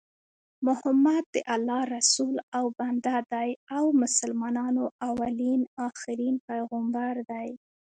محمد د الله رسول او بنده دي او مسلمانانو اولين اخرين پیغمبر دي